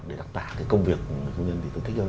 để đặc tả cái công việc của công nhân thì tôi thích hơn